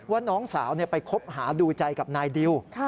ว่าน้องสาวไปคบหาดูใจกับนายดิว